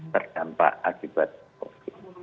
terdampak akibat covid